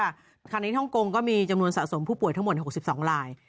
คราวนี้ฮ่องกงก็มีจำนวนสะสมผู้ป่วยทั้งหมด๖๒ลาย